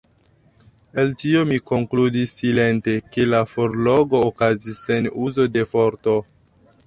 El tio mi konkludis silente, ke la forlogo okazis sen uzo de forto.